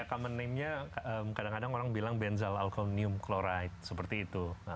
ya common name nya kadang kadang orang bilang benzalkonium klorida seperti itu